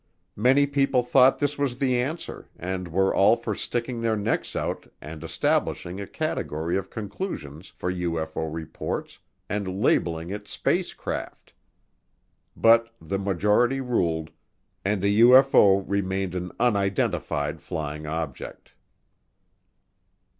Many people thought this was the answer and were all for sticking their necks out and establishing a category of conclusions for UFO reports and labeling it spacecraft. But the majority ruled, and a UFO remained an unidentified flying object.